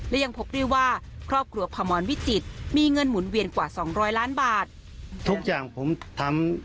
และยังพกเรียกว่าครอบครัวพมรวิจิตรมีเงินหมุนเวียนกว่า๒๐๐ล้านบาท